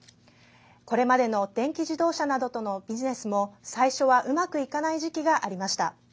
これまでの電気自動車などのビジネスも、最初はうまくいかない時期がありました。